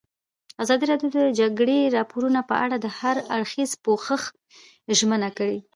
ازادي راډیو د د جګړې راپورونه په اړه د هر اړخیز پوښښ ژمنه کړې.